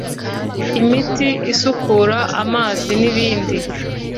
imiti isukura amazi n’ibindi